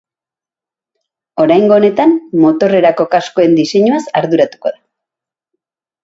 Oraingo honetan, motorrerako kaskoen diseinuaz arduratu da.